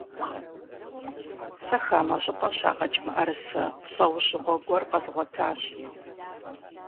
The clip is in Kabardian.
Сэ хамэ щӀыпӀэ щагъэкӀ мыӀэрысэ лӀэужьыгъуэ гуэр къэзгъуэтащ.